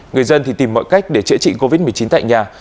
người dân thì tìm mọi cách để chữa trị covid một mươi chín tại nhà